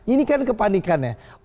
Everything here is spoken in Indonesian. ini kan kepanikannya